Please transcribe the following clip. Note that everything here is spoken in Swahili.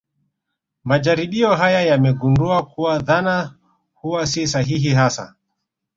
Majaribio haya yamegundua kuwa dhana huwa si sahihi hasa